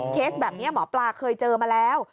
เคสแบบนี้หมอปลาเคยเจอมาแล้ว